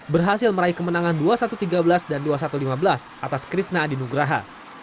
berhasil meraih kemenangan dua satu tiga belas dan dua puluh satu lima belas atas krishna adinugraha